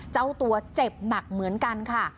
เจ้าตัวเจ็บหนักเหมือนกันค่ะ